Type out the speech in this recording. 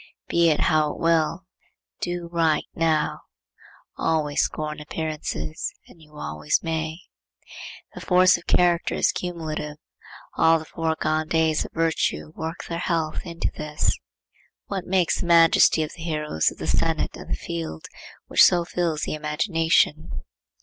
Be it how it will, do right now. Always scorn appearances and you always may. The force of character is cumulative. All the foregone days of virtue work their health into this. What makes the majesty of the heroes of the senate and the field, which so fills the imagination?